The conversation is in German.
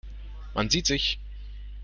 Man sieht sich.